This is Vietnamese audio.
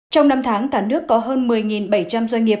trong năm tháng cả nước có hơn một mươi bảy trăm linh doanh nghiệp